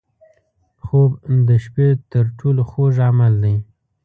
خوب د شپه تر ټولو خوږ عمل دی